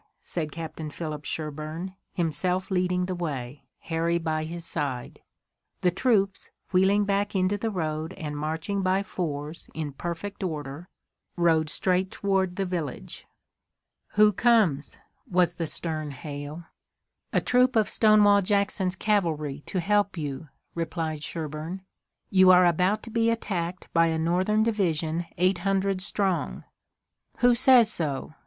said Captain Philip Sherburne, himself leading the way, Harry by his side. The troops, wheeling back into the road and marching by fours in perfect order, rode straight toward the village. "Who comes?" was the stern hail. "A troop of Stonewall Jackson's cavalry to help you," replied Sherburne. "You are about to be attacked by a Northern division eight hundred strong." "Who says so?"